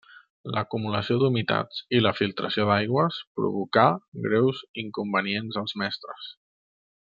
L'acumulació d'humitats i la filtració d'aigües provocà greus inconvenients als mestres.